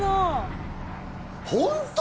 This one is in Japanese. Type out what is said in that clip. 本当？